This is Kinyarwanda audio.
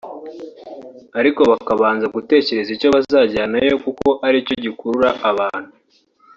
ariko bakabanza gutekereza icyo bazajyanayo kuko ari cyo gikurura abantu